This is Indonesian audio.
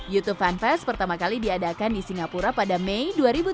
youtube fanfest pertama kali diadakan di singapura pada mei dua ribu tujuh belas